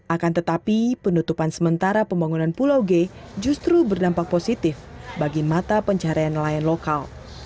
akan tetapi penutupan sementara pembangunan pulau g justru berdampak positif bagi mata pencarian nelayan lokal